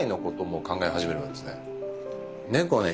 猫はね